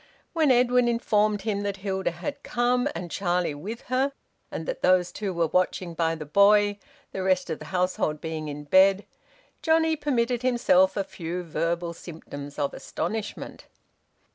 When Edwin informed him that Hilda had come, and Charlie with her, and that those two were watching by the boy, the rest of the household being in bed, Johnnie permitted himself a few verbal symptoms of astonishment.